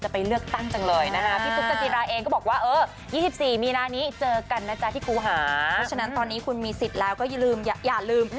เพราะฉะนั้นตอนนี้คุณมีสิทธิ์แล้วก็อย่าลืมอย่าลืม